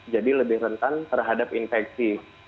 jadi lebih rentan terhadap infeksi